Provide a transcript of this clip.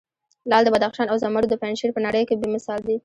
لعل د بدخشان او زمرود د پنجشیر په نړې کې بې مثال دي.